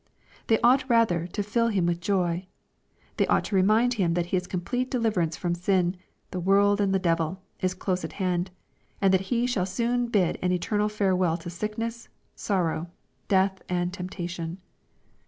They ought rather to fill him with joy. They ought to remind him that his complete deliverance from sin, the world and the devil, is close at hand, and that he shall soon bid an eternal fare well to sickness, sorrow, death and temptation.